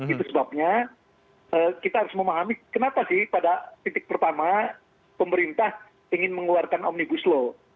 itu sebabnya kita harus memahami kenapa sih pada titik pertama pemerintah ingin mengeluarkan omnibus law